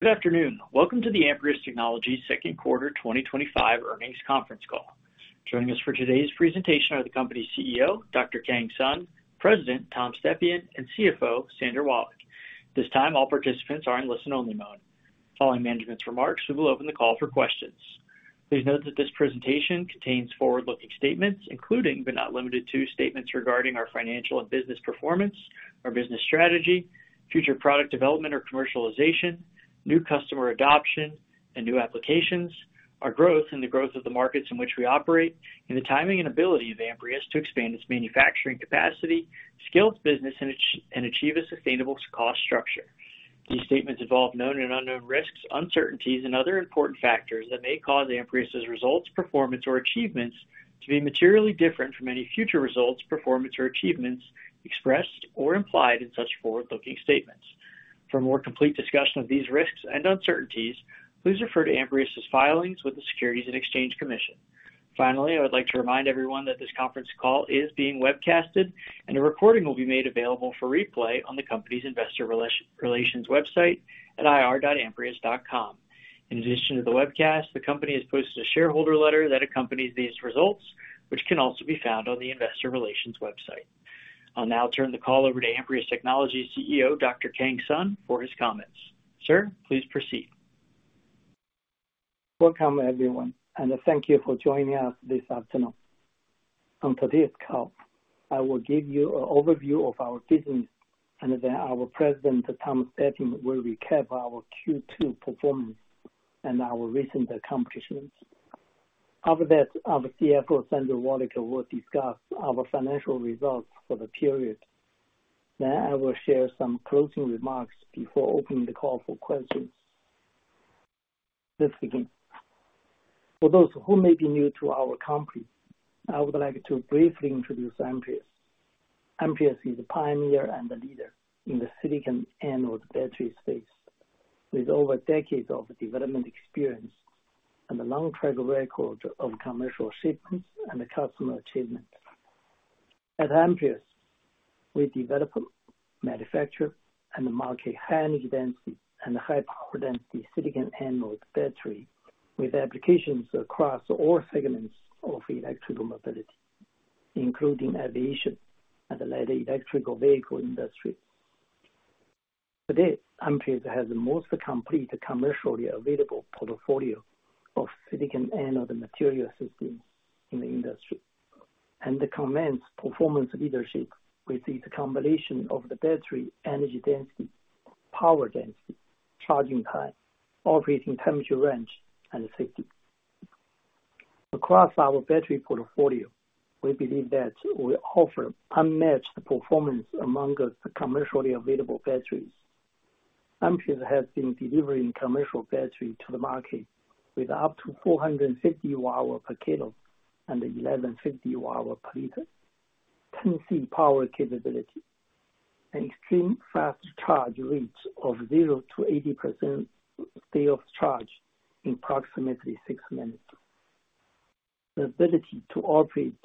Good Afternoon. Welcome to the Amprius Technologies Second Quarter 2025 Earnings Conference Call. Joining us for today's presentation are the Company CEO Dr. Kang Sun, President Tom Stepien, and CFO Sandra Wallach. This time all participants are in listen-only mode. Following management's remarks, we will open the call for questions. Please note that this presentation contains forward-looking statements, including but not limited to statements regarding our financial and business performance, our business strategy, future product development or commercialization, new customer adoption and new applications, our growth in the growth of the markets in which we operate, and the timing and ability of Amprius to expand its manufacturing capacity, scale its business and achieve a sustainable cost structure. These statements involve known and unknown risks, uncertainties and other important factors that may cause Amprius's results, performance or achievements to be materially different from any future results, performance or achievements expressed or implied in such forward-looking statements. For a more complete discussion of these risks and uncertainties, please refer to Amprius's filings with the Securities and Exchange Commission. Finally, I would like to remind everyone that this conference call is being webcast and a recording will be made available for replay on the Company's investor relations website at ir.amprius.com. In addition to the webcast, the Company has posted a shareholder letter that accompanied these results, which can also be found on the investor relations website. I'll now turn the call over to Amprius Technologies CEO Dr. Kang Sun for his comments. Sir, please proceed. Welcome everyone and thank you for joining us this afternoon. On today's call I will give you an overview of our business and then our President Tom Stepien will recap our Q2 performance and our recent accomplishments. After that, our CFO Sandra Wallach will discuss our financial results for the period. Then I will share some closing remarks before opening the call for questions. Let's begin. For those who may be new to our company, I would like to briefly introduce Amprius. Amprius is the pioneer and the leader in the silicon anode battery space with over decades of development experience and a long track record of commercial shipments and customer achievements. At Amprius, we develop, manufacture, and market high-energy density and high-power density silicon anode batteries with applications across all segments of electric mobility including aviation and the electric vehicle industry. Today, Amprius has the most complete commercially available portfolio of silicon anode material systems in the industry and commands performance leadership. With its combination of battery energy density, power density, charging time, operating temperature range and safety across our battery portfolio, we believe that we offer unmatched performance among the commercially available batteries. Amprius Technologies has been delivering commercial batteries to the market with up to 450 Wh/kg and 1,150 Wh/L 10C power capability, an extreme fast charge rate of 0% to 80% state of charge in approximately six minutes, the ability to operate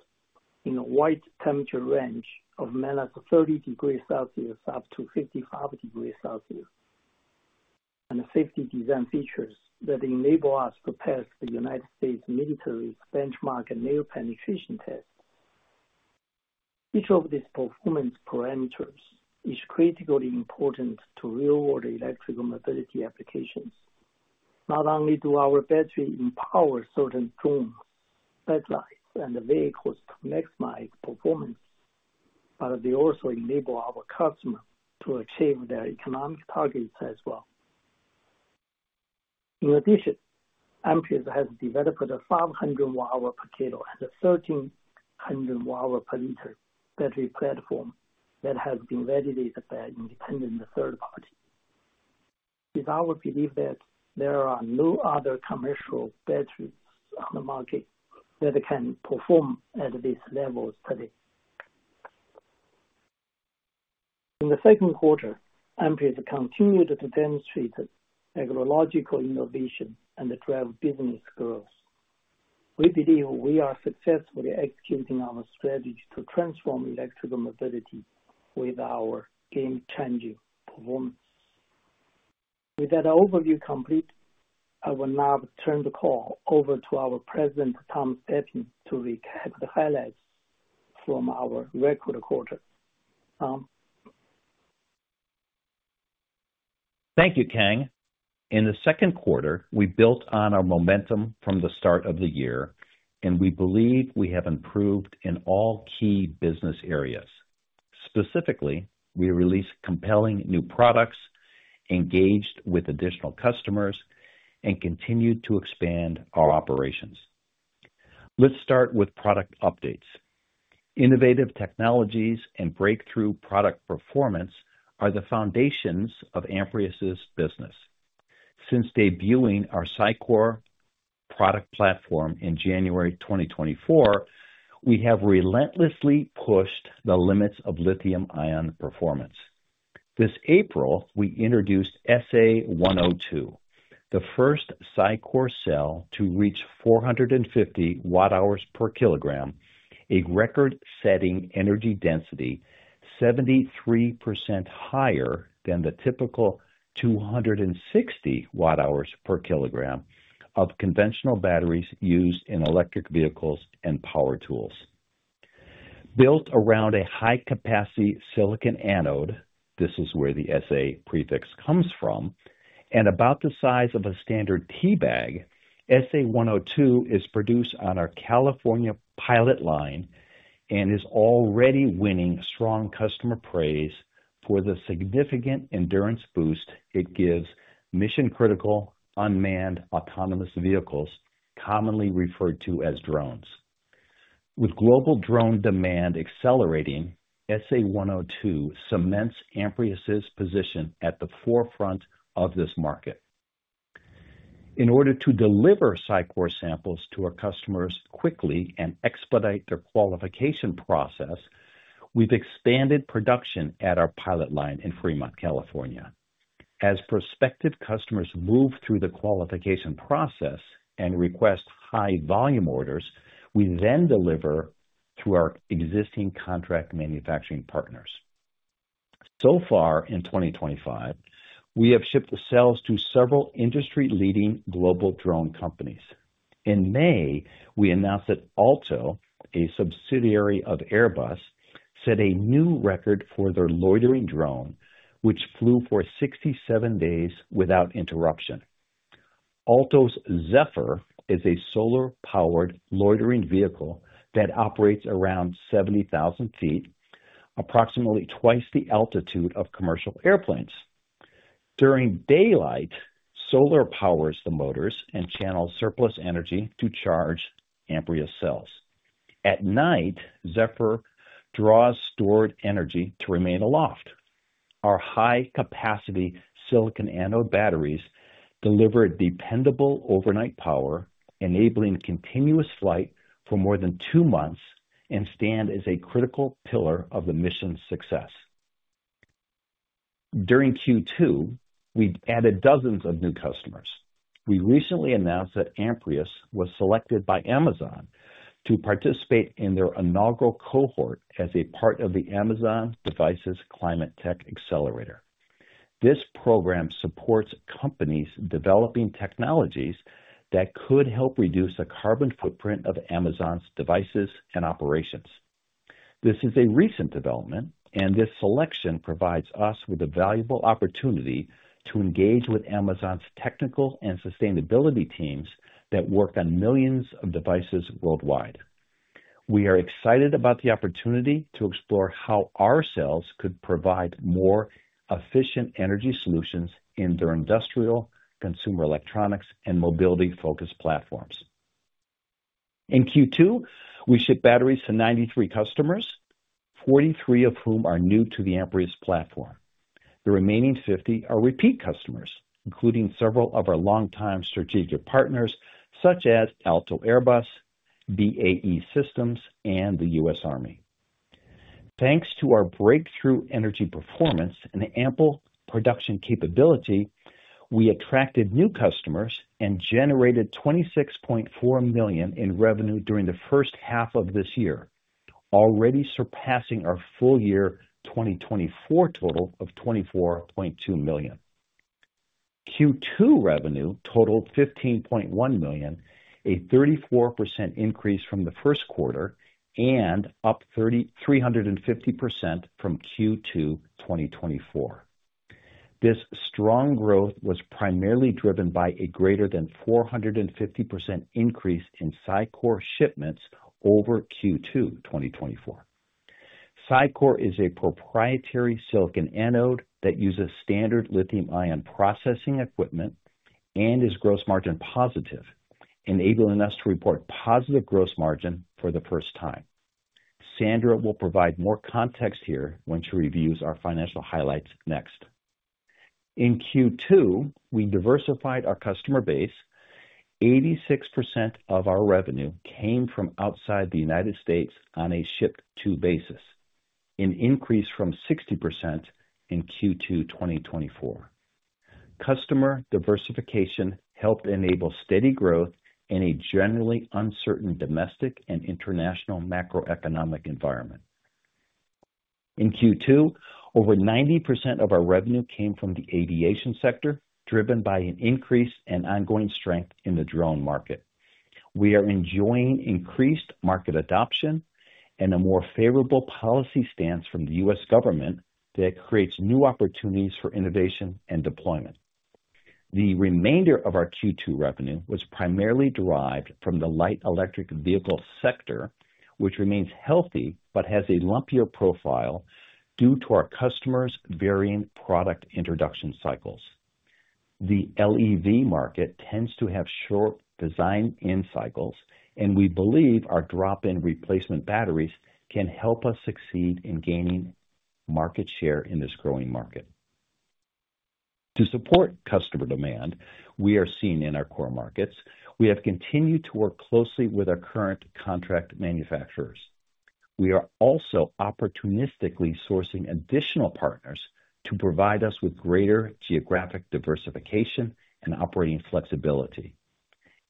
in a wide temperature range of -30 °C up to 55 °C and safety design features that enable us to pass the U.S. Military benchmark nail penetration test. Each of these performance parameters is critically important to real-world electric mobility applications. Not only do our batteries empower certain drones, satellites and vehicles to maximize performance, but they also enable our customers to achieve their economic targets as well. In addition, Amprius has developed a 500 Wh/kg and a 1,300 Wh/L battery platform that has been validated by an independent third party. It's our belief that there are no other commercial batteries on the market that can perform at these levels today. In the second quarter, Amprius continued to demonstrate technological innovation and drive business growth. We believe we are successfully executing our strategies to transform electric mobility with our game changing performance. With that overview complete, I will now turn the call over to our President Tom Stepien to recap the highlights from our record quarter. Tom. Thank you Kang. In the second quarter we built on our momentum from the start of the year and we believe we have improved in all key business areas. Specifically, we released compelling new products, engaged with additional customers, and continued to expand our operations. Let's start with product updates. Innovative technologies and breakthrough product performance are the foundations of Amprius' business. Since debuting our SiCore platform in January 2024, we have relentlessly pushed the limits of lithium-ion performance. This April we introduced SA102, the first SiCore cell to reach 450 Wh/kg, a record-setting energy density 73% higher than the typical 260 Wh/kg of conventional batteries used in electric vehicles and power tools. Built around a high-capacity silicon anode, this is where the SA prefix comes from and about the size of a standard teabag, SA102 is produced on our California pilot line and is already winning strong customer praise for the significant endurance boost it gives mission-critical unmanned autonomous vehicles, commonly referred to as drones. With global drone demand accelerating, SA102 cements Amprius' position at the forefront of this market. In order to deliver SiCore samples to our customers quickly and expedite their qualification process, we've expanded production at our pilot line in Fremont, California. As prospective customers move through the qualification process and request high-volume orders, we then deliver to our existing contract manufacturing partners. So far in 2024 we have shipped the cells to several industry-leading global drone companies. In May, we announced that AALTO, a subsidiary of Airbus, set a new record for their loitering drone which flew for 67 days without interruption. AALTO's Zephyr is a solar-powered loitering vehicle that operates around 70,000 ft, approximately twice the altitude of commercial airplanes. During daylight, solar powers the motors and channels surplus energy to charge Amprius cells. At night, Zephyr draws stored energy to remain aloft. Our high-capacity silicon anode batteries deliver dependable overnight power, enabling continuous flight for more than two months and stand as a critical pillar of the mission's success. During Q2, we added dozens of new customers. We recently announced that Amprius was selected by Amazon to participate in their inaugural cohort as a part of the Amazon Devices Climate Tech Accelerator. This program supports companies developing technologies that could help reduce the carbon footprint of Amazon's devices and operations. This is a recent development, and this selection provides us with a valuable opportunity to engage with Amazon's technical and sustainability teams that work on millions of devices worldwide. We are excited about the opportunity to explore how we could provide more efficient energy solutions in their industrial, consumer electronics, and mobility-focused platforms. In Q2, we shipped batteries to 93 customers, 43 of whom are new to the Amprius platform. The remaining 50 are repeat customers, including several of our longtime strategic partners such as AALTO Airbus, BAE Systems, and the U.S. Army. Thanks to our breakthrough energy performance and ample production capability, we attracted new customers and generated $26.4 million in revenue during the first half of this year, already surpassing our full year 2024 total of $24.2 million. Q2 revenue totaled $15.1 million, a 34% increase from the first quarter and up 350% from Q2 2024. This strong growth was primarily driven by a greater than 450% increase in SiCore shipments over Q2 2024. SiCore is a proprietary silicon anode that uses standard lithium-ion processing equipment and is gross margin positive, enabling us to report positive gross margin for the first time. Sandra will provide more context here when she reviews our financial highlights next. In Q2, we diversified our customer base. 86% of our revenue came from outside the U.S. on a ship-to basis, an increase from 60% in Q2 2024. Customer diversification helped enable steady growth in a generally uncertain domestic and international macroeconomic environment. In Q2, over 90% of our revenue came from the aviation sector, driven by an increase in ongoing strength in the drone market. We are enjoying increased market adoption and a more favorable policy stance from the U.S. government that creates new opportunities for innovation and deployment. The remainder of our Q2 revenue was primarily derived from the light electric vehicle sector, which remains healthy but has a lumpier profile due to our customers' varying product introduction cycles. The LEV market tends to have short design end cycles, and we believe our drop-in replacement batteries can help us succeed in gaining market share in this growing market. To support customer demand we are seeing in our core markets, we have continued to work closely with our current contract manufacturers. We are also opportunistically sourcing additional partners to provide us with greater geographic diversification and operating flexibility.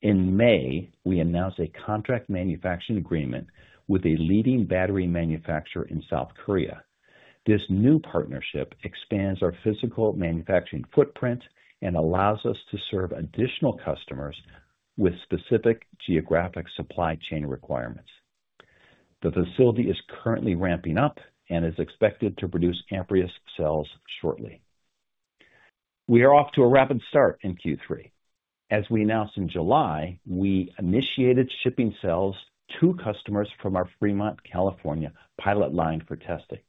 In May, we announced a contract manufacturing agreement with a leading battery manufacturer in South Korea. This new partnership expands our physical manufacturing footprint and allows us to serve additional customers with specific geographic supply chain requirements. The facility is currently ramping up and is expected to produce Amprius cells shortly. We are off to a rapid start in Q3. As we announced in July, we initiated shipping sales to customers from our Fremont, California pilot line for testing.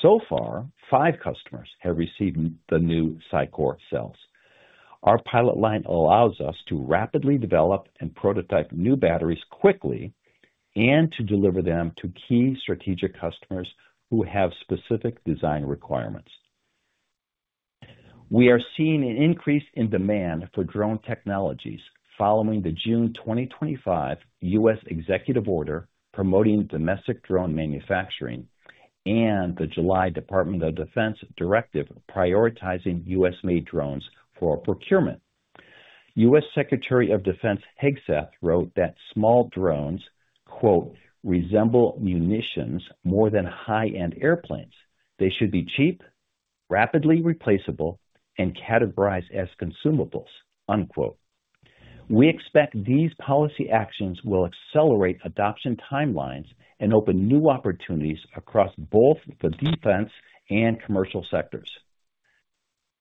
So far, five customers have received the new SiCore cells. Our pilot line allows us to rapidly develop and prototype new batteries quickly and to deliver them to key strategic customers who have specific design requirements. We are seeing an increase in demand for drone technologies following the June 2025 U.S. executive order promoting domestic drone manufacturing and the July Department of Defense directive prioritizing U.S.-made drones for procurement. U.S. Secretary of Defense Hegseth wrote that small drones, "resemble munitions more than high-end airplanes. They should be cheap, rapidly replaceable and categorized as consumables". We expect these policy actions will accelerate adoption timelines and open new opportunities across both the defense and commercial sectors.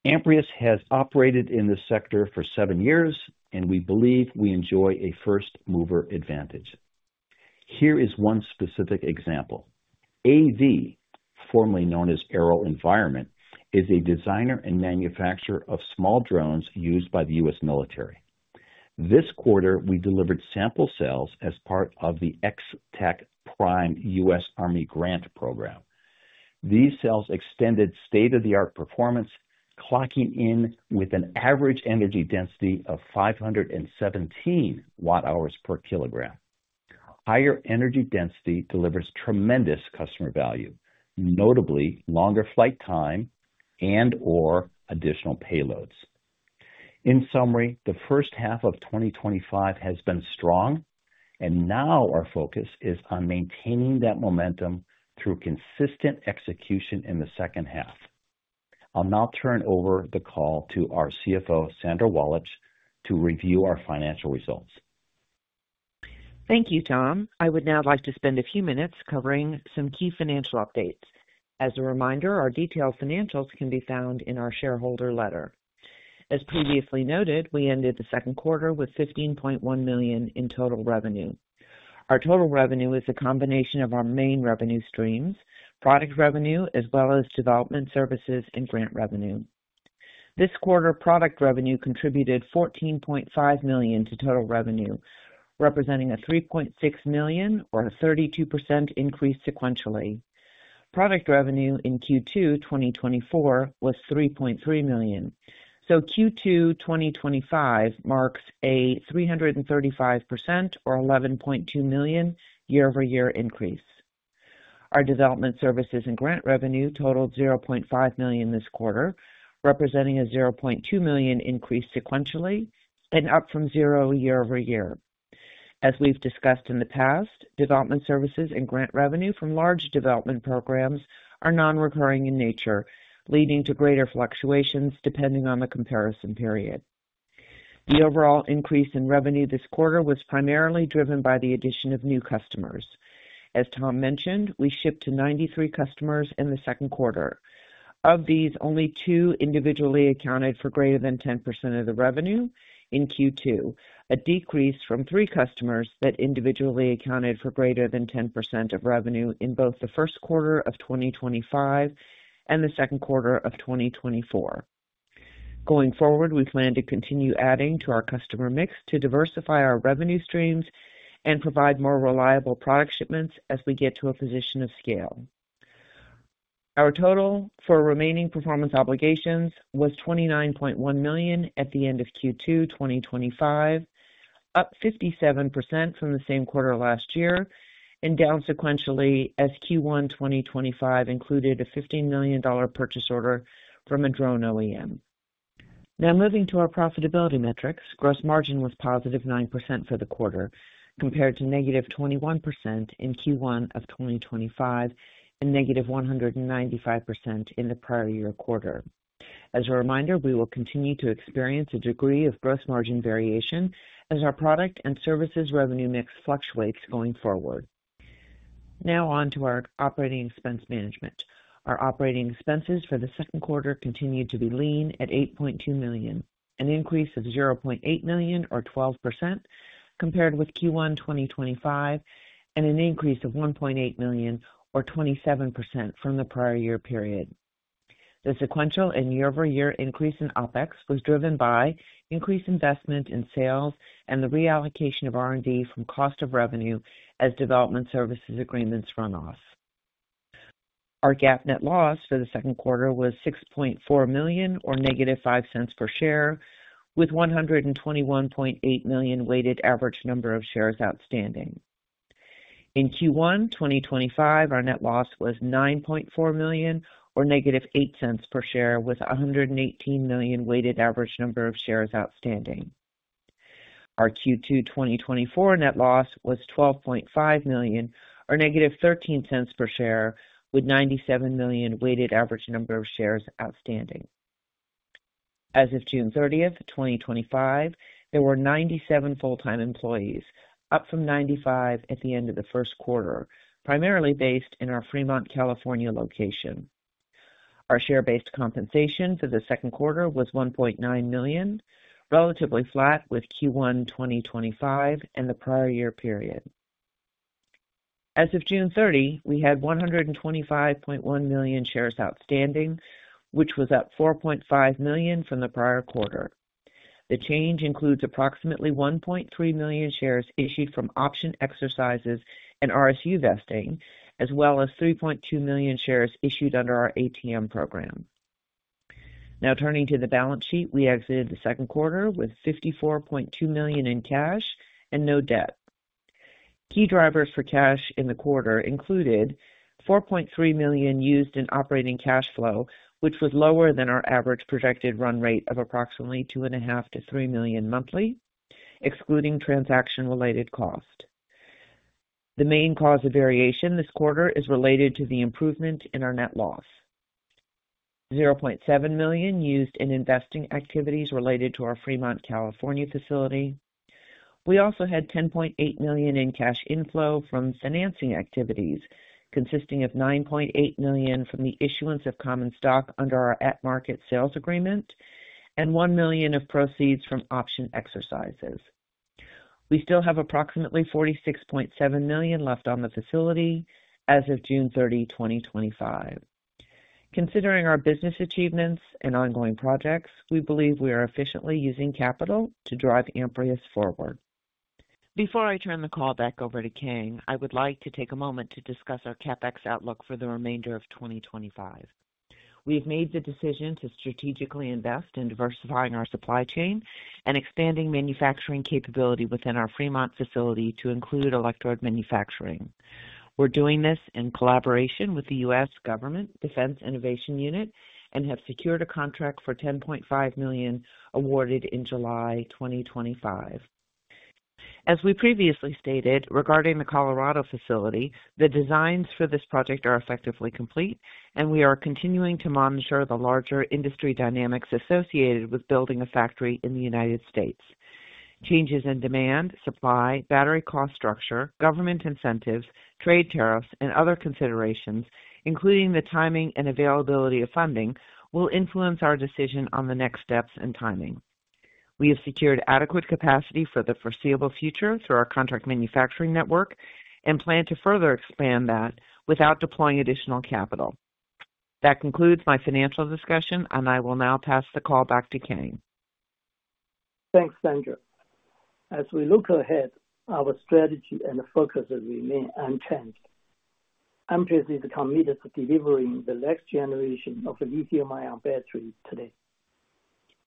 Amprius has operated in this sector for seven years and we believe we enjoy a first-mover advantage. Here is one specific example. AV, formerly known as AeroVironment, is a designer and manufacturer of small drones used by the U.S. military. This quarter we delivered sample cells as part of the xTechPrime U.S. Army Grant Program. These cells extended state-of-the-art performance, clocking in with an average energy density of 517 Wh/kg. Higher energy density delivers tremendous customer value, notably longer flight time and/or additional payloads. In summary, the first half of 2025 has been strong and now our focus is on maintaining that momentum through consistent execution in the second half. I'll now turn over the call to our CFO Sandra Wallach to review our financial results. Thank you Tom, I would now like to spend a few minutes covering some key financial updates. As a reminder, our detailed financials can be found in our shareholder letter. As previously noted, we ended the second quarter with $15.1 million in total revenue. Our total revenue is a combination of our main revenue streams, product revenue, as well as development services and grant revenue. This quarter, product revenue contributed $14.5 million to total revenue, representing a $3.6 million or 32% increase sequentially. Product revenue in Q2 2024 was $3.3 million, so Q2 2025 marks a 335% or $11.2 million year-over-year increase. Our development services and grant revenue totaled $0.5 million this quarter, representing a $0.2 million increase sequentially and up from $0 year-over-year. As we've discussed in the past, development services and grant revenue from large development programs are nonrec in nature, leading to greater fluctuations depending on the comparison period. The overall increase in revenue this quarter was primarily driven by the addition of new customers. As Tom mentioned, we shipped to 93 customers in the second quarter. Of these, only two individually accounted for greater than 10% of the revenue in Q2, a decrease from three customers that individually accounted for greater than 10% of revenue in both the first quarter of 2025 and the second quarter of 2024. Going forward, we plan to continue adding to our customer mix to diversify our revenue streams and provide more reliable product shipments as we get to a position of scale. Our total for remaining performance obligations was $29.1 million at the end of Q2 2025, up 57% from the same quarter last year and down sequentially as Q1 2025 included a $15 million purchase order OEM. Now moving to our profitability metrics, gross margin was +9% for the quarter compared to -21% in Q1 of 2025 and -195% in the prior year quarter. As a reminder, we will continue to experience a degree of gross margin variation as our product and services revenue mix fluctuates going forward. Now, on to our operating expense management. Our operating expenses for the second quarter continued to be lean at $8.2 million, an increase of $0.8 million or 12% compared with Q1 2025 and an increase of $1.8 million or 27% from the prior year period. The sequential and year-over-year increase in OpEx was driven by increased investment in sales and the reallocation of R&D from cost of revenue as development services agreements run off. Our GAAP net loss for the second quarter was $6.4 million or -$0.05 per share with 121.8 million weighted average number of shares outstanding. In Q1 2025 our net loss was $9.4 million or -$0.08 per share with 118 million weighted average number of shares outstanding. Our Q2 2024 net loss was $12.5 million or -$0.13 per share with 97 million weighted average number of shares outstanding. As of June 30th, 2025, there were 97 full-time employees, up from 95 at the end of the first quarter, primarily based in our Fremont, California location. Our share-based compensation for the second quarter was $1.9 million, relatively flat with Q1 2025 and the prior year period. As of June 30, we had 125.1 million shares outstanding, which was up 4.5 million from the prior quarter. The change includes approximately 1.3 million shares issued from option exercises and RSU vesting as well as 3.2 million shares issued under our ATM program. Now turning to the balance sheet, we exited the second quarter with $54.2 million in cash and no debt. Key drivers for cash in the quarter included $4.3 million used in operating cash flow, which was lower than our average projected run rate of approximately $2.5 million-$3 million monthly, excluding transaction-related cost. The main cause of variation this quarter is related to the improvement in our net loss. $0.7 million used in investing activities related to our Fremont, California facility. We also had $10.8 million in cash inflow from financing activities consisting of $9.8 million from the issuance of common stock under our at-the-market sales agreement and $1 million of proceeds from option exercises. We still have approximately $46.7 million left on the facility as of June 30, 2025. Considering our business achievements and ongoing projects, we believe we are efficiently using capital to drive Amprius forward. Before I turn the call back over to Kang, I would like to take a moment to discuss our CapEx outlook for the remainder of 2025. We've made the decision to strategically invest in diversifying our supply chain and expanding manufacturing capability within our Fremont facility to include electrode manufacturing. We're doing this in collaboration with the U.S. government Defense Innovation Unit and have secured a contract for $10.5 million awarded in July 2025. As we previously stated regarding the Colorado facility, the designs for this project are effectively complete, and we are continuing to monitor industry dynamics associated with building a factory in the U.S. Changes in demand supply, battery cost structure, government incentives, trade tariffs, and other considerations including the timing and availability of funding will influence our decision on the next steps and timing. We have secured adequate capacity for the foreseeable future through our contract manufacturing network and plan to further expand that without deploying additional capital. That concludes my financial discussion, and I will now pass the call back to Kang. Thanks Sandra. As we look ahead, our strategy and focus remain unchanged. Amprius is committed to delivering the next generation of lithium-ion batteries. Today,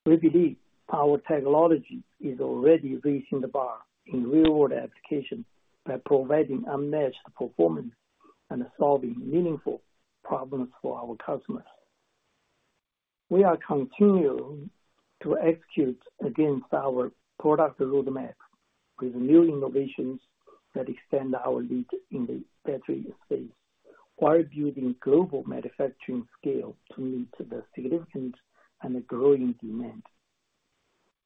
we believe our technology is already raising the bar in real-world application by providing unmatched performance and solving meaningful problems for our customers. We are continuing to execute against our product roadmap with new innovations that extend our reach in the battery space while building global manufacturing scale to meet the significant and growing demand.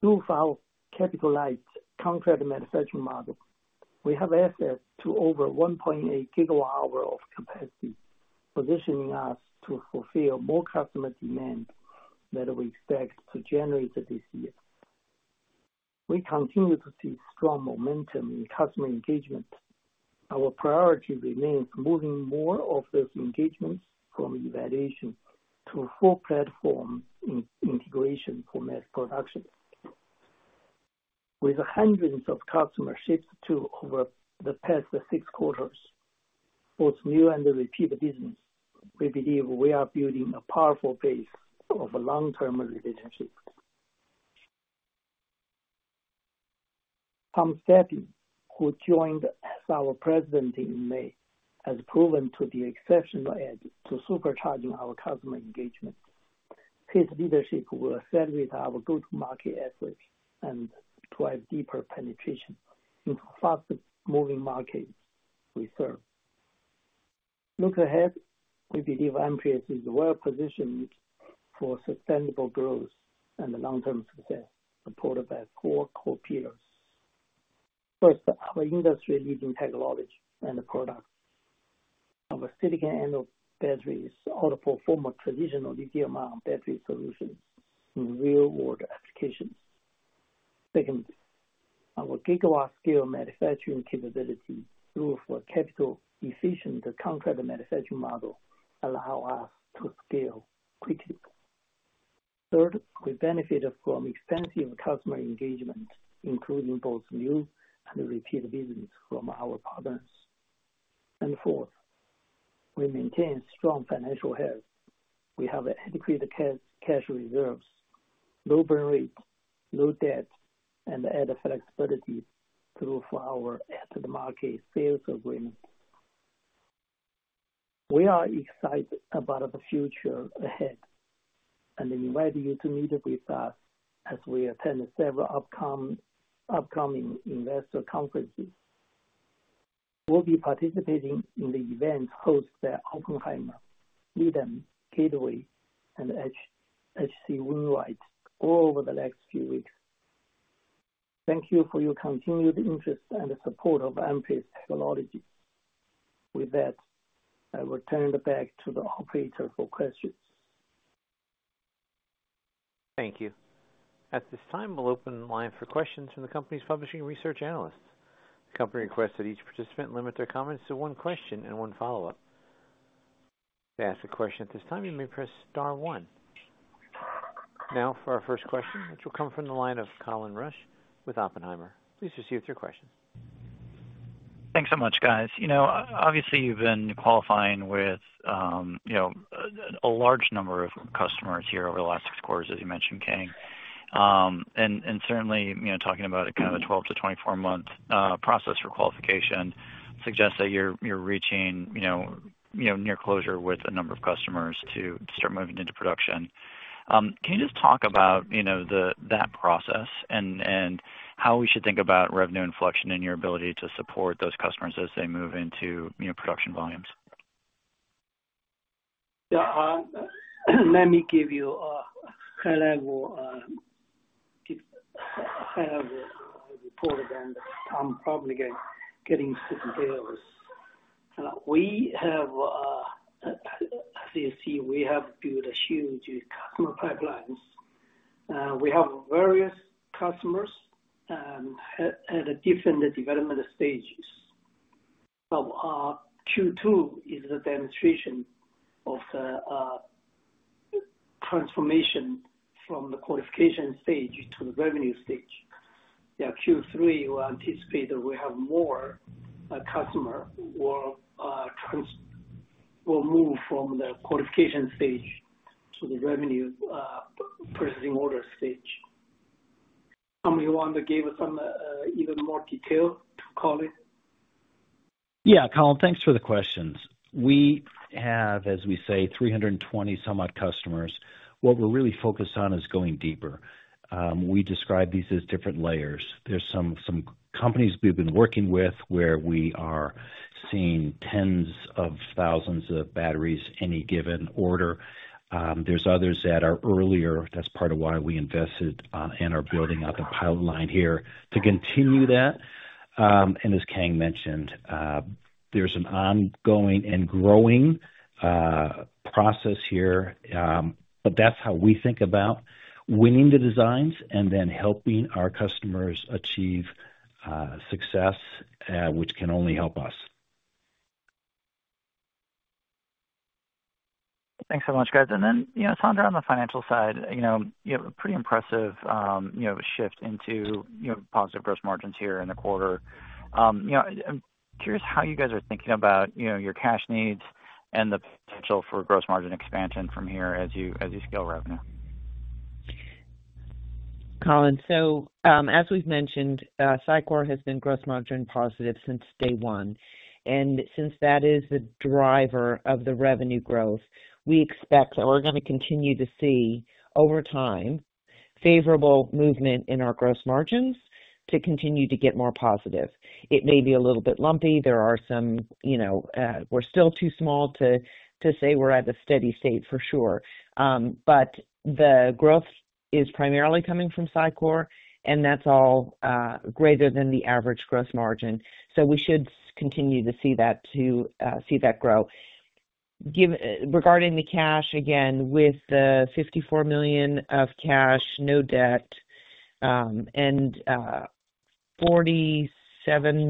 Through our capital-light contract manufacturing model, we have access to over 1.8 GWh of capacity, positioning us to fulfill more customer demand that we expect to generate this year. We continue to see strong momentum in customer engagement. Our priority remains moving more of those engagements from evaluation to full platform integration for mass production with hundreds of customer shipments too over the past six quarters, both new and repeat business. We believe we are building a powerful base of long-term relationships. Tom Stepien, who joined as our President in May, has proven to be an exceptional asset to supercharging our customer engagement. His leadership will accelerate our go-to-market efforts and drive deeper penetration into the fast-moving markets we serve. Looking ahead, we believe Amprius is well positioned for sustainable growth and long-term success supported by four core pillars. First, our industry-leading technology and products. Our silicon anode batteries outperform a traditional lithium-ion battery solution in real world applications. Second, our gigawatt-scale manufacturing capability through our capital efficient contract manufacturing model allows us to scale quickly. Third, we benefit from extensive customer engagement including both new and repeat business from our partners. Fourth, we maintain strong financial health. We have adequate cash reserves, low burn rate, low debt, and added flexibility through our at-the-market sales agreement. We are excited about the future ahead and invite you to meet with us as we attend several upcoming investor conferences. We'll be participating in events hosted by Oppenheimer, Thank you. At this time we'll open the line for questions from the company's publishing research analysts. The company requests that each participant limit their comments to one question and one follow-up. To ask a question at this time, you may press Star one. Now for our first question, which will come from the line of Colin Rusch with Oppenheimer. Please proceed with your questions. Thanks so much, guys. Obviously, you've been qualifying with a large number of customers here over the last six quarters, as you mentioned, Kang, and certainly talking about a kind of a 12-24 month process for qualification suggests that you're reaching near closure with a number of customers to start moving into production. Can you just talk about that process and how we should think about revenue inflection and your ability to support those customers as they move into production volumes. Let me give you a high-level report and I'm probably going system. We have, as you see, we have built a huge customer pipeline. We have various customers at different development stages. Now Q2 is the demonstration of the transformation from the qualification stage to the revenue stage. Q3 we anticipate that we have more customer will move from the qualification stage to the revenue processing order stage. Tom, do you want to give some even more detail to Colin? Yeah, Colin, thanks for the questions. We have, as we say, 320-some-odd customers. What we're really focused on is going deeper. We describe these as different layers. There are some companies we've been working with where we are seeing tens of thousands of batteries any given order. There are others that are earlier. That's part of why we invested and are building out the pilot line here too. As Kang mentioned, there's an ongoing and growing process here, but that's how we think about winning the designs and then helping our customers achieve success, which can only help us. Thanks so much, guys. Sandra, on the financial side, you have a pretty impressive shift into positive gross margins here in the quarter. I'm curious how you guys are thinking about your cash needs and the potential for gross margin expansion from here as you scale revenue. Colin. As we've mentioned, SiCore has been gross margin positive since day one, and since that is the driver of the revenue growth, we expect that we're going to continue to see over time favorable movement in our gross margins to continue to get more positive. It may be a little bit lumpy. We're still too small to say we're at a steady state for sure, but the growth is primarily coming from SiCore, and that's all greater than the average gross margin. We should continue to see that grow. Regarding the cash, again, with the $54 million of cash, no debt, and $47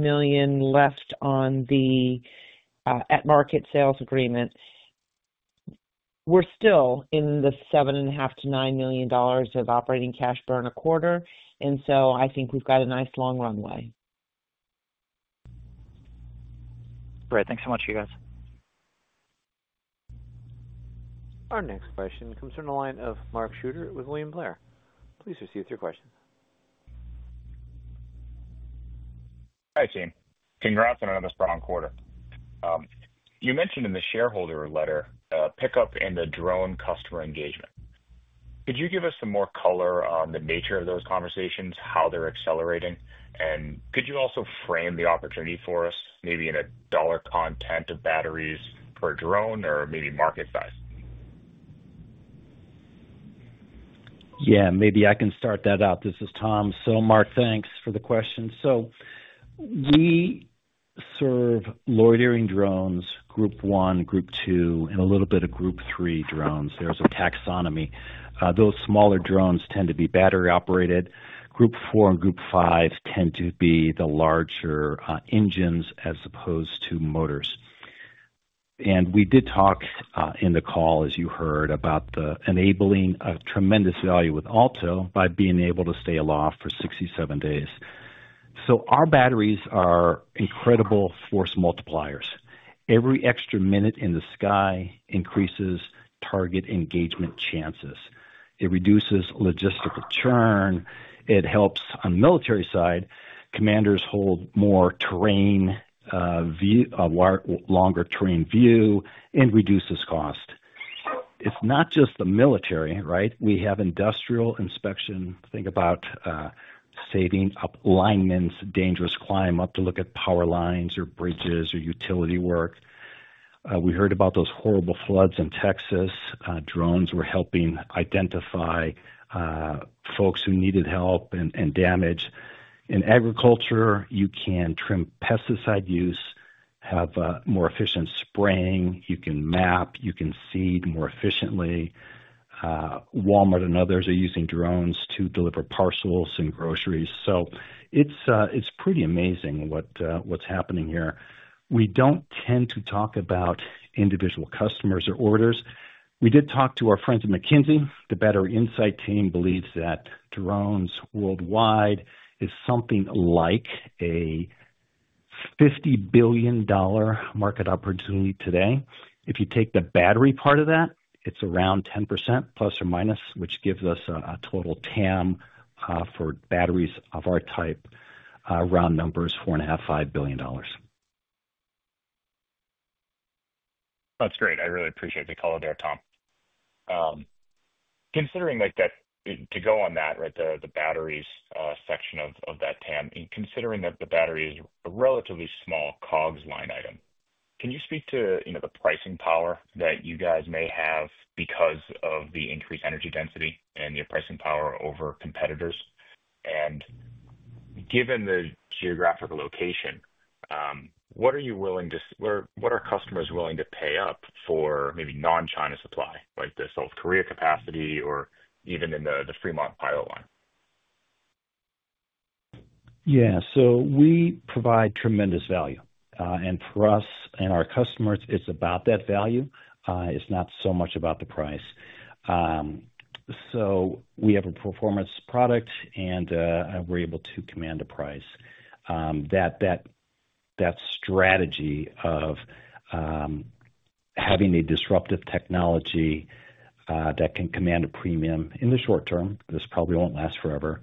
million left on the at-the-market sales agreement, we're still in the $7.5 million-$9 million of operating cash burn a quarter, and I think we've got a nice long runway. Great. Thanks so much you guys. Our next question comes from the line of Mark Shooter with William Blair. Please proceed with your question. Hi team. Congrats on another strong quarter. You mentioned in the shareholder letter pickup in the drone customer engagement. Could you give us some more color on the nature of those conversations, how they're accelerating and could you also frame the opportunity for us maybe in a dollar content of batteries per drone or maybe market size? Yeah, maybe I can start that out. This is Tom. So Mark, thanks for the question. We serve loitering drones, Group 1, Group 2 and a little bit of Group 3 drones. There's a taxonomy. Those smaller drones tend to be battery operated. Group 4 and Group 5 tend to be the larger engines as opposed to motors. We did talk in the call as you heard about enabling a tremendous value with AALTO by being able to stay aloft for 67 days. Our batteries are incredible force multipliers. Every extra minute in the sky increases target engagement chances. It reduces logistical churn. It helps on military side. Commanders hold more terrain, longer terrain view and reduces cost. It's not just the military, right? We have industrial inspection. Think about saving up linemen's dangerous climb up to look at power lines or bridges or utility work. We heard about those horrible floods in Texas. Drones were helping identify folks who needed help and damage. In agriculture, you can trim pesticide use, have more efficient spraying, you can map, you can seed more efficiently. Walmart and others are using drones to deliver parcels and groceries. It's pretty amazing what's happening here. We don't tend to talk about individual customers or orders. We did talk to our friends at McKinsey. The better insight team believes that drones worldwide is something like a $50 billion market opportunity today. If you take the battery part of that, it's around 10%, plus or minus, which gives us a total TAM for batteries of our type, round numbers, $4.5 billion, $5 billion. That's great. I really appreciate the call there, Tom. Considering like that to go on that right the batteries section of that TAM. Considering that the battery is a relatively small COGS line item. Can you speak to the pricing power that you guys may have because of the increased energy density and your pricing power over competitors. Given the geographical location, what are customers willing to pay up for? Maybe non-China supply like the South Korea capacity or even in the Fremont pilot line. Yeah. We provide tremendous value and for us and our customers it's about that value, it's not so much about the price. We have a performance product and we're able to command a price. That strategy of having a disruptive technology that can command a premium in the short term probably won't last forever.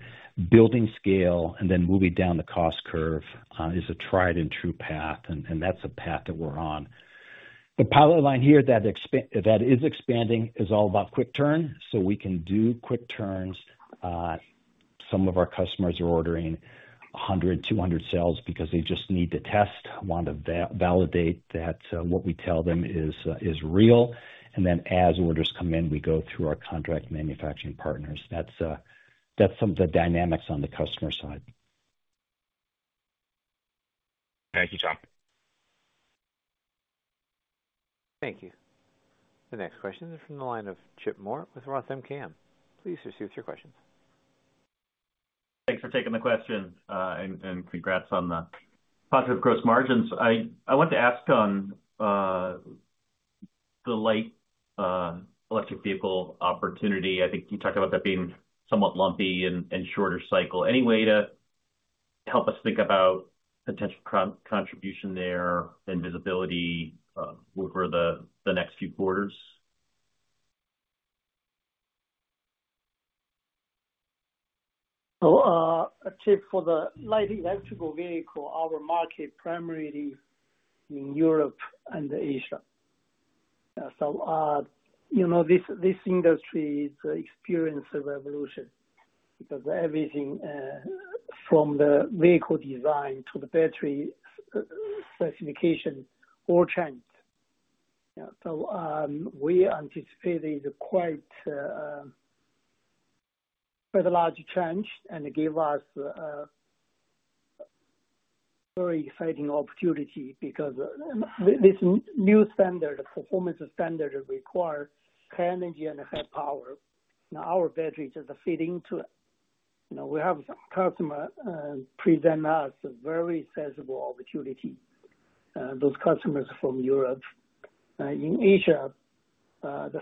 Building scale and then moving down the cost curve is a tried and true path and that's a path that we're on. The pilot line here that is expanding is all about quick turn so we can do quick turns. Some of our customers are ordering 100, 200 cells because they just need to test, want to validate that what we tell them is real. As orders come in, we go through our contract manufacturing partners. That's some of the dynamics on the customer side. Thank you, Tom. Thank you. The next question is from the line of Chip Moore with ROTH MKM. Please receive your questions. Thanks for taking the question and congrats on the positive gross margins. I want to ask on the light electric vehicle opportunity. I think you talked about that being somewhat lumpy and shorter cycle. Any way to help us think about potential contribution there and visibility over the next few quarters? Chip, for the light electrical vehicle. Our market primarily in Europe and Asia, so you know this industry experienced a revolution because everything from the vehicle design to the battery specification all changed. We anticipate quite a large change and it gave us a very exciting opportunity because this new performance standard requires high energy and high power. Now our batteries are fitting to it. We have customers present us a very sensible opportunity. Those customers from Europe and Asia, the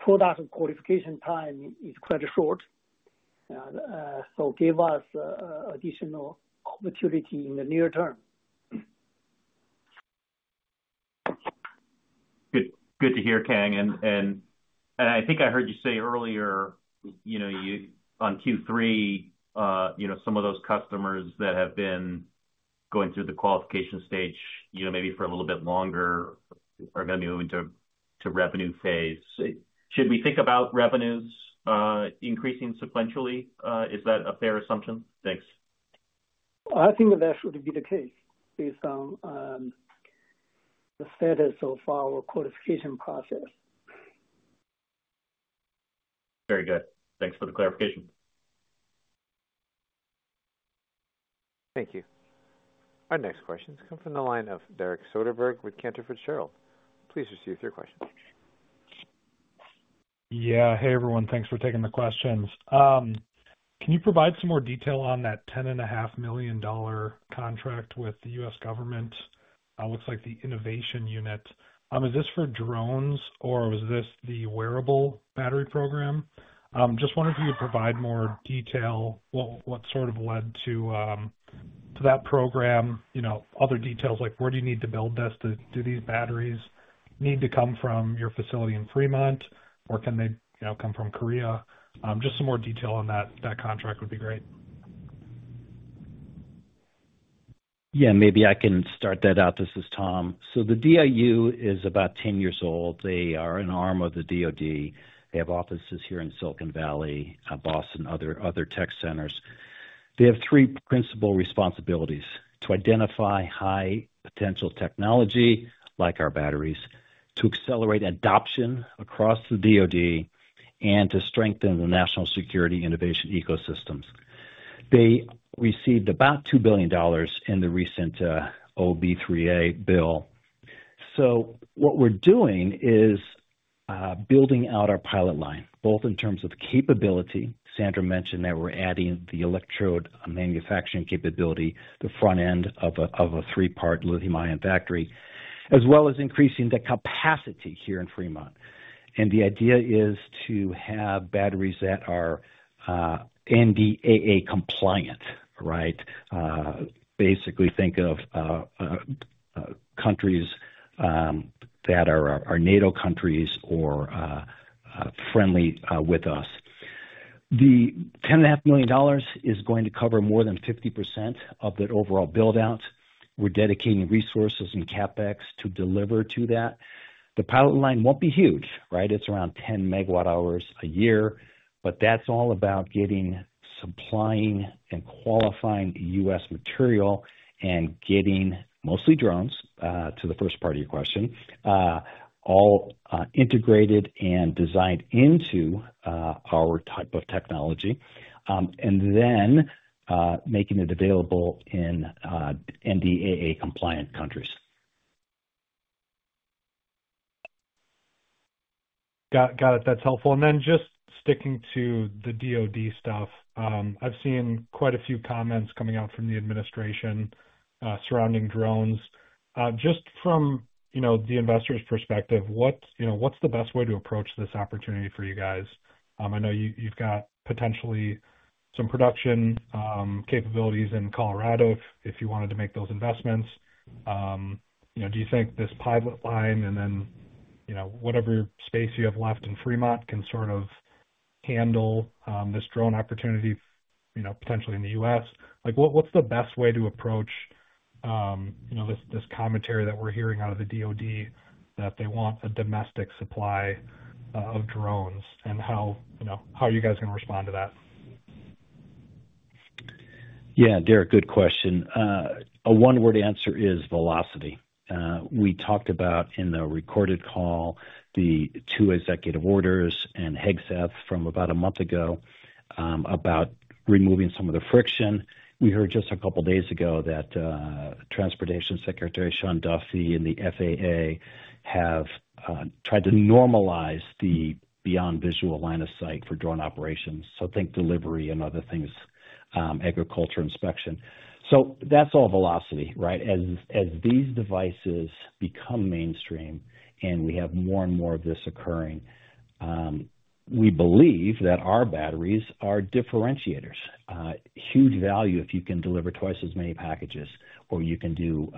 product qualification time is quite short, so it gives us additional maturity in the near term. Good to hear, Kang. I think I heard you say earlier, on Q3, some of those customers that have been going through the qualification stage, maybe for a little bit longer, are going to move into revenue phase. Should we think about revenues increasing sequentially? Is that a fair assumption? Thanks. I think that should be the case based on the status of our qualification process. Very good. Thanks for the clarification. Thank you. Our next questions come from the line of Derek Soderberg with Cantor Fitzgerald. Please receive your question. Yeah, hey everyone, thanks for taking the questions. Can you provide some more detail on that $10.5 million contract with the U.S. government, looks like the Defense Innovation Unit. Is this for drones or was this the wearable battery program? Just wondered if you could provide more detail, what sort of led to that program. Other details like where do you need to build this, do these batteries need to come from your facility in Fremont or can they come from South Korea? Just some more detail on that contract would be great. Yeah, maybe I can start that out. This is Tom. The DIU is about 10 years old. They are an arm of the DOD. They have offices here in Silicon Valley, Boston, other tech centers. They have three principal responsibilities: to identify high potential technology like our batteries, to accelerate adoption across the DOD, and to strengthen the national security innovation ecosystems. They received about $2 billion in the recent OB3A bill. What we're doing is building out our pilot line both in terms of capability. Sandra mentioned that we're adding the electrode manufacturing capability, the front end of a three part lithium-ion factory, as well as increasing the capacity here in Fremont. The idea is to have batteries that are NDAA compliant. Right. Basically think of countries that are NATO countries or friendly with us. The $10.5 million is going to cover more than 50% of the overall build out. We're dedicating resources and CapEx to deliver to that. The pilot line won't be huge, it's around 10 MWh a year. That's all about getting, supplying, and qualifying U.S. material and getting mostly drones, to the first part of your question, all integrated and designed into our type of technology and then making it available in NDAA-compliant countries. Got it. That's helpful. Just sticking to the DoD stuff, I've seen quite a few comments coming out from the administration surrounding drones. Just from the investor's perspective, what's the best way to approach this opportunity for you guys? I know you've got potentially some production capabilities in Colorado if you wanted to make those investments. Do you think this pilot line and whatever space you have left in Fremont can sort of handle this drone opportunity, potentially in the U.S.? What's the best way to approach this commentary that we're hearing out of the DoD that they want a domestic supply of drones, and how are you guys going to respond to that? Derek? Yeah, Derek, good question. A one word answer is velocity. We talked about in the recorded call, the two executive orders and Hegseth from about a month ago about removing some of the friction. We heard just a couple days ago that Transportation Secretary, Sean Duffy and the FAA have tried to normalize the beyond visual line of sight for drone operations. Think delivery and other things, agriculture inspection. That's all velocity, right. As these devices become mainstream and we have more and more of this occurring, we believe that our batteries are differentiators. Huge value if you can deliver twice as many packages or you can do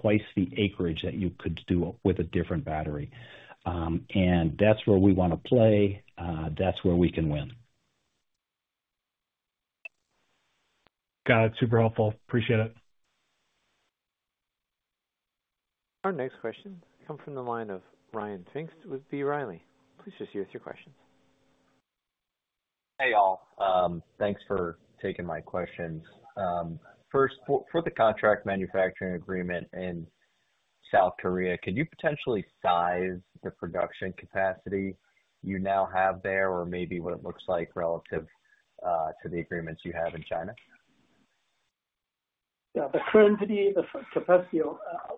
twice the acreage that you could do with a different battery. That's where we want to play. That's where we can win. Got it. Super helpful, appreciate it. Our next question comes from the line of Ryan Pfingst with B. Riley. Please just hear us your questions. Hey all, thanks for taking my questions. First, for the contract manufacturing agreement in South Korea, could you potentially size the production capacity you now have there? Or maybe what it looks like relative to the agreements you have in China. The current capacity.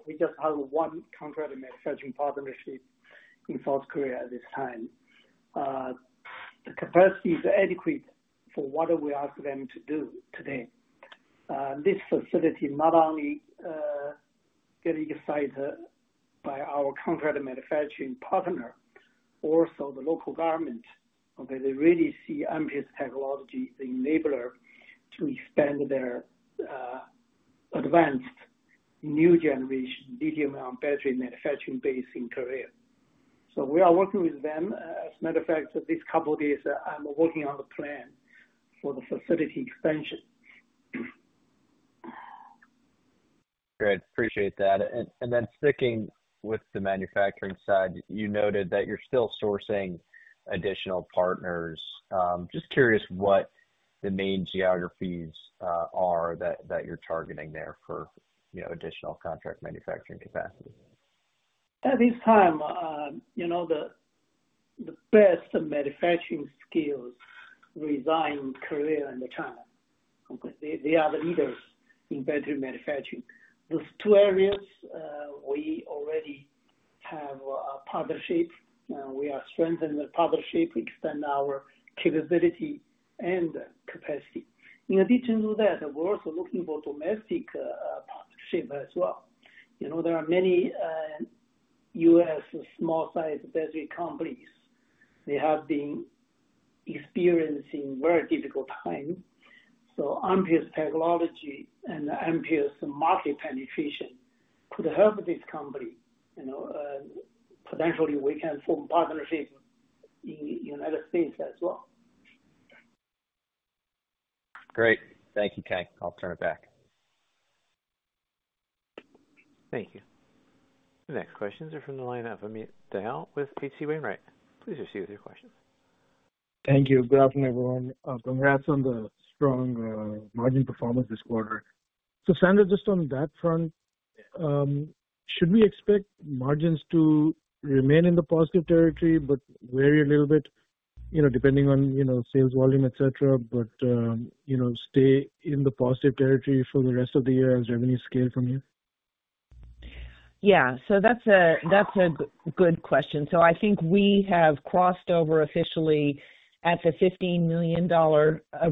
We just have one contract manufacturing partnership in South Korea at this time. The capacity is adequate for what we ask them to do today. This facility, not only getting excited by our contract manufacturing partner, also the local government. They really see Amprius technology as the enabler to expand their advanced new generation lithium-ion battery manufacturing base in Korea. We are working with them. As a matter of fact, these couple days I'm working on a plan for the facility expansion. Great, appreciate that. Sticking with the manufacturing side, you noted that you're still sourcing additional partners. Just curious what the main geographies are that you're targeting there for additional contract manufacturing capacity At this time, the best manufacturing skill resides in Korea in the China. They are the leaders in battery manufacturing. Those two areas, we already have a partnership. We are strengthening the partnership, extend our capability and capacity. In addition to that, we're also looking for domestic partnership as well. You know, there are many U.S. small-size battery companies, they have been experiencing very difficult time. Amprius technology and Amprius multi-penetration to help this company, you know, potentially we can form partnership in United States as well. Great, thank you, Kang. I'll turn it back. Thank you. The next questions are from the line of Amit Dayal with H.C. Wainwright. Please receive your questions. Thank you. Good afternoon, everyone. Congrats on the strong margin performance this quarter. Sandra, just on that front, should we expect margins to remain in the positive territory but vary a little bit, you know, depending on sales volume, etc., but stay in the positive territory for the rest of the year as revenues scale from here? That's a good question. I think we have crossed over officially at the $15 million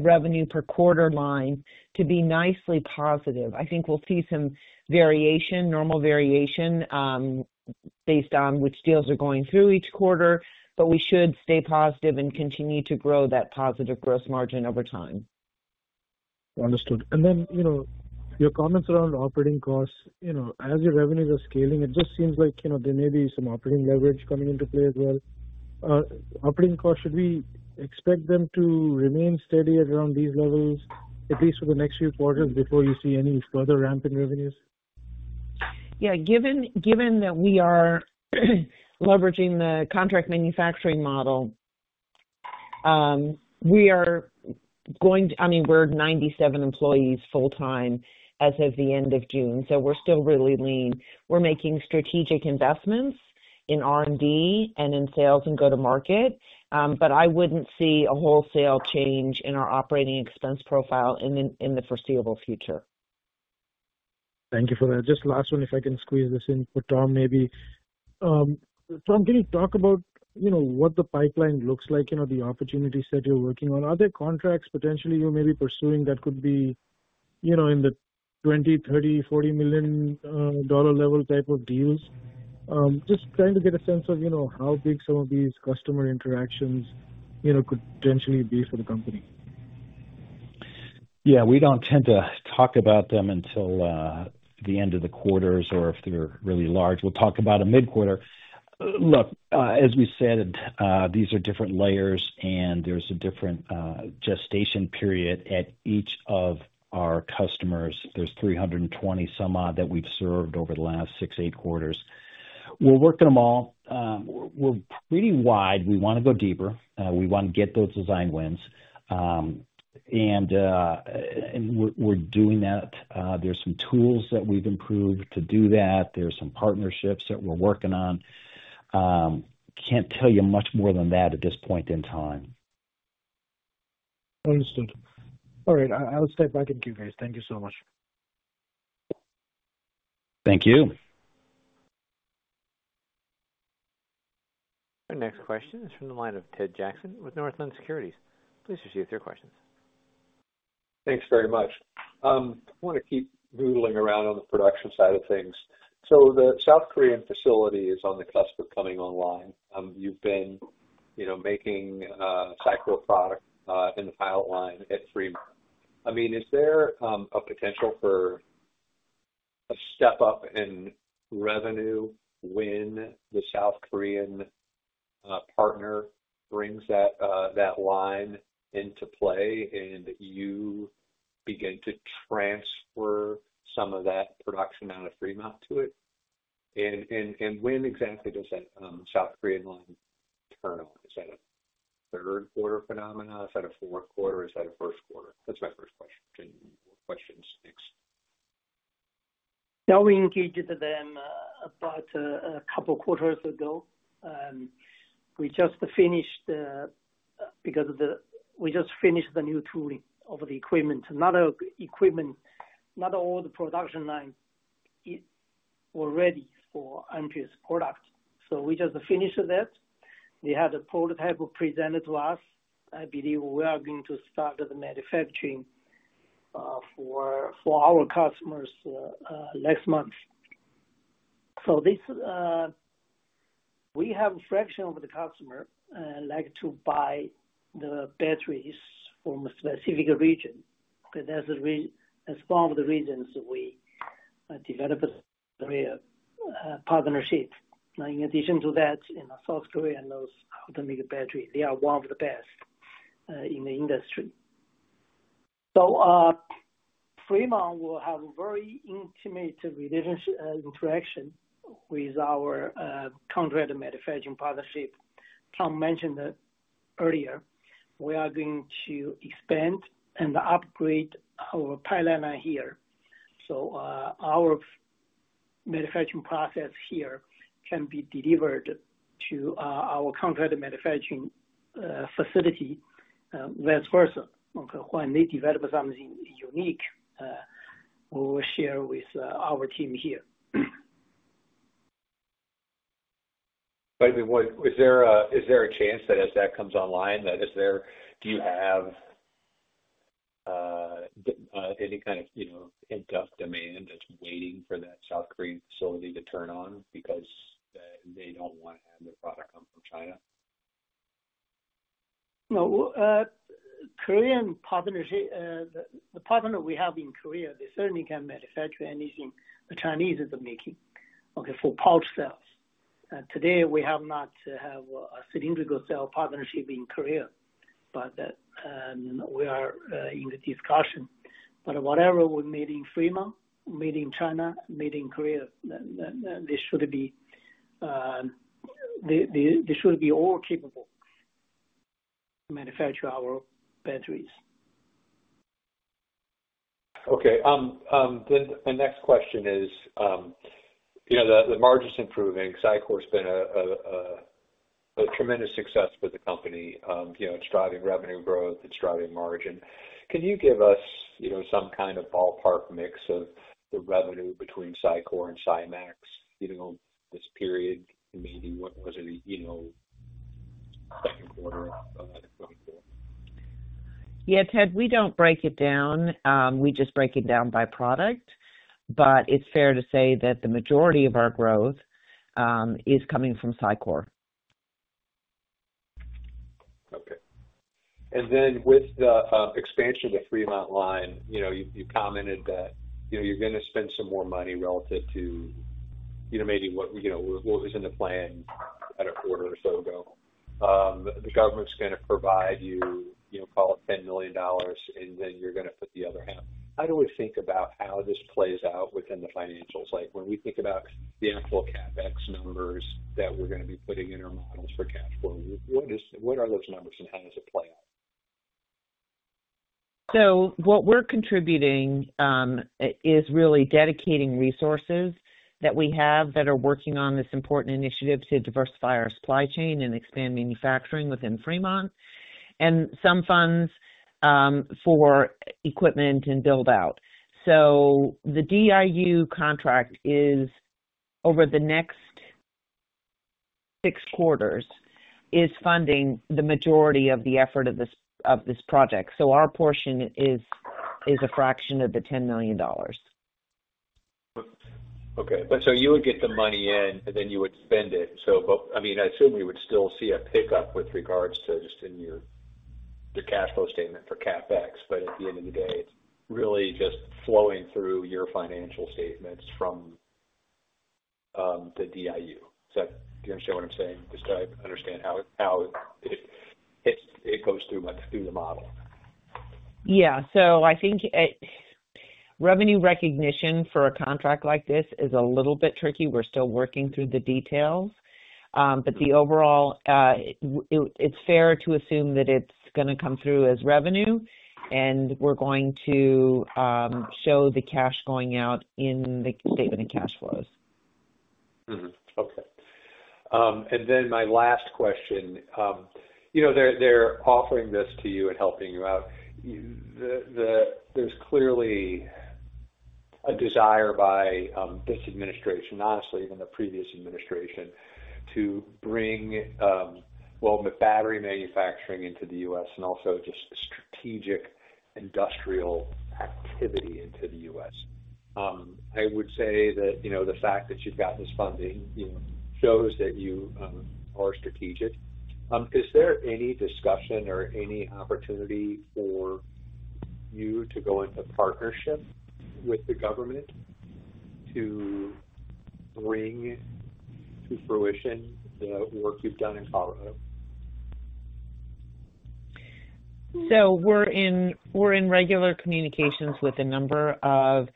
revenue per quarter line to be nicely positive. I think we'll see some variation, normal variation based on which deals are going through each quarter. We should stay positive and continue to grow that positive gross margin over time. Understood. Your comments around operating costs, as your revenues are scaling, it just seems like there may be some operating leverage coming into play as well. Operating cost, should we expect them to remain steady around these levels at least for the next few quarters before you see any further ramp in revenues? Given that we are leveraging the contract manufacturing model, we are going to. I mean, we're 97 employees full time as of the end of June, so we're still really lean. We're making strategic investments in R&D and in sales and go-to-market. I wouldn't see a wholesale change in our operating expense profile in the foreseeable future. Thank you for that. Just last one, if I can squeeze this in for Tom, maybe. Can you talk about what the pipeline is looks like the opportunities that you're working on? Are there contracts potentially you may be pursuing that could be in the $20 million, $30 million, $40 million level type of deals? Just trying to get a sense of how big some of these customer interactions could potentially be for the company? Yeah, we don't tend to talk about them until the end of the quarters or if they're really large. We'll talk about a mid quarter look. As we said, these are different layers and there's a different gestation period at each of our customers. There's 320-some-odd that we've served over the last six, eight quarters. We're working them all. We're pretty wide. We want to go deeper. We want to get those design wins, and we're doing that. There are some tools that we've improved to do. There are some partnerships that we're working on. Can't tell you much more than that at this point in time. Understood. All right, I'll step back in queue, guys. Thank you so much. Thank you. Our next question is from the line of Ted Jackson with Northland Securities. Please receive your questions. Thanks very much. I want to keep doodling around on the production side of things. The South Korea facility is on the cusp of coming online. You've been making SiCore product in the pilot line at Fremont. I mean, is there a potential for a step-up in revenue when the South Korea partner brings that line into play and you begin to transfer some of that production out of Fremont to it? When exactly does that South Korea line turn on? Is that a third quarter phenomenon? Is that a fourth quarter? Is that a first quarter? That's my first question. Question 6. Now we engaged them about a couple quarters ago. We just finished because we just finished the new tooling of the equipment, another equipment. Not all the production line were ready for Amprius product, so we just finished that. We had a prototype presented to us. I believe we are going to start the manufacturing for our customers next month. We have a fraction of the customer like to buy the batteries from a specific region as one of the reasons we developed the partnership. In addition to that, you know, South Korea knows how to make a battery. They are one of the best in the industry. Fremont will have a very intimate relationship, interaction with our contract manufacturing partnership. Tom mentioned earlier we are going to expand and upgrade our pipeline line here so our manufacturing process here can be delivered to our contract manufacturing facility vice versa. When they develop something unique, we will share with our team here. Is there a chance that as that comes online, is there any kind of in-depth demand waiting for that South Korea facility to turn on because they don't want to have their product come from China? No Korean partnership. The partner we have in South Korea, they certainly can manufacture anything the Chinese is making, okay for pulse sales today. We have not had a cylindrical cell partnership in South Korea, but we are in the discussion. Whatever we made in Fremont, made in China, made in South Korea, they should all be capable to manufacture our batteries. Okay, the next question is, you know, the margin's improving. SiCore has been a tremendous success with the company. You know, it's driving revenue growth, it's driving margin. Can you give us some kind of ballpark mix of the revenue between SiCore and SiMaxx, you know, this period? Maybe what was it, you know. Yeah, Ted, we don't break it down, we just break it down by product. It's fair to say that the majority of our growth is coming from SiCore. With the expansion of the Fremont line, you commented that you're going to spend some more money relative to maybe what was in the plan a quarter or so ago. The government's going to provide you, call it $10 million, and then you're going to put the other half. I always think about how this plays out within the financials. When we think about the actual CapEx numbers that we're going to be putting in our models for cash flow, what are those numbers and how does it play out? What we're contributing is really dedicating resources that we have that are working on this important initiative to diversify our supply chain and expand manufacturing within Fremont, and some funds for equipment and build out. The DIU contract over the next six quarters is funding the majority of the effort of this project. Our portion is a fraction of the $10 million. Okay, you would get the money in and then you would spend it. I assume we would still see a pickup with regards to just in your cash flow statement for CapEx. At the end of the day, it's really just flowing through your financial statements from the DIU. Do you understand what I'm saying? Just trying to understand how it goes through the model. I think revenue recognition for a contract like this is a little bit tricky. We're still working through the details, but overall, it's fair to assume that it's going to come through as revenue, and we're going to show the cash going out in the statement of cash flows. Okay, and then my last question. They're offering this to you and helping you out. There's clearly a desire by this administration, honestly even the previous administration, to bring, well, the battery manufacturing into the U.S. and also just strategic industrial activity into the U.S. I would say that the fact that you've got this funding shows that you are strategic. Is there any discussion or any opportunity for you to go into partnership with the government to bring to fruition the work you've done in Colorado? We are in regular communications with a number of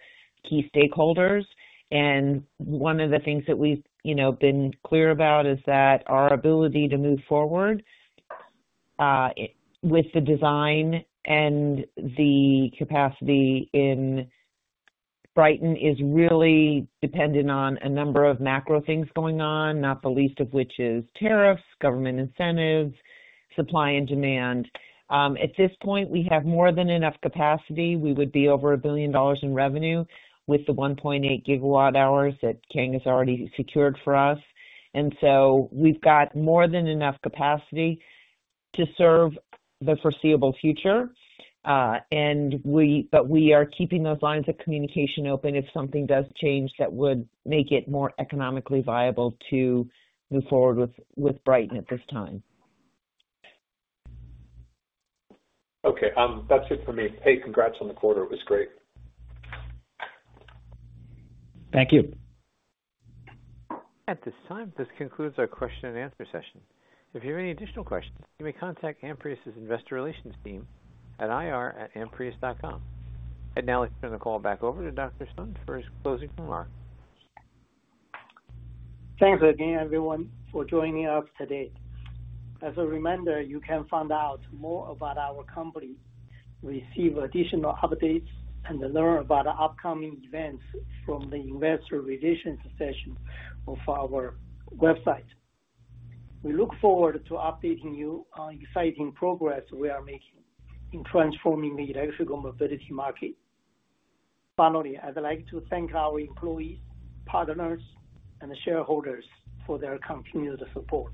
key stakeholders. One of the things that we've been clear about is that our ability to move forward with the design and the capacity in Brighton is really dependent on a number of macro things going on, not the least of which is tariffs, government incentives, supply and demand. At this point, we have more than enough capacity. We would be over $1 billion in revenue with the 1.8 GWh that Kang has already secured for us. We have more than enough capacity to serve the foreseeable future. We are keeping those lines of communication open. If something does change, that would make it more economically viable to move forward with Brighton at this time. Okay, that's it for me. Hey, congrats on the quarter. It was great. Thank you. At this time, this concludes our question and answer session. If you have any additional questions, you may contact Amprius investor relations team at ir@amprius.com. Now let's turn the call back over to Dr. Kang Sun for his closing remarks. Thanks again everyone for joining us today. As a reminder, you can find out more about our company, receive additional updates, and learn about upcoming events from the investor relations section of our website. We look forward to updating you on exciting progress we are making in transforming the electrical mobility market. Finally, I'd like to thank our employees, partners, and shareholders for their continued support.